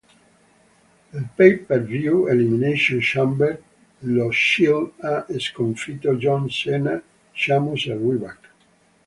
Al pay-per-view Elimination Chamber lo Shield ha sconfitto John Cena, Sheamus e Ryback.